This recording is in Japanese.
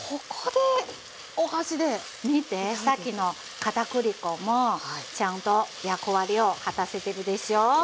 見てさっきの片栗粉もちゃんと役割を果たせてるでしょう？